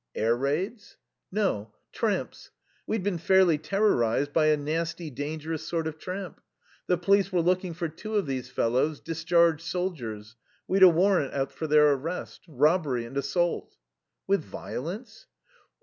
"Air raids?" "No. Tramps. We'd been fairly terrorized by a nasty, dangerous sort of tramp. The police were looking for two of these fellows discharged soldiers. We'd a warrant out for their arrest. Robbery and assault." "With violence?"